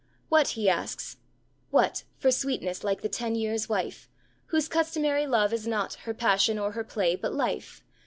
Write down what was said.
What, he asks What For sweetness like the ten years' wife, Whose customary love is not Her passion, or her play, but life?